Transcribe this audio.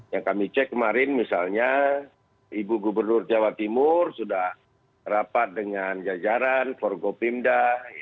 yang kami cek kemarin misalnya ibu gubernur jawa timur sudah rapat dengan jajaran forgopimda